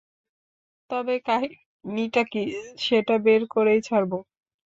তবে, কাহিনীটা কী সেটা বের করেই ছাড়ব!